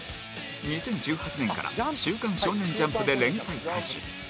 ２０１８年から『週刊少年ジャンプ』で連載開始